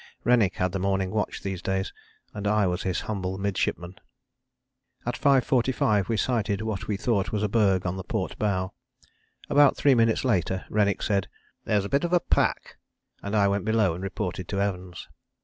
Rennick had the morning watch these days, and I was his humble midshipman. At 5.45 we sighted what we thought was a berg on the port bow. About three minutes later Rennick said, "There's a bit of pack," and I went below and reported to Evans.